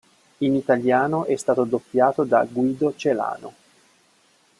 In italiano è stato doppiato da Guido Celano.